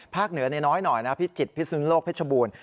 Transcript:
ภาคเหนือน้อยนะครับพิจิตรพิสุนโลกพิชบูรณ์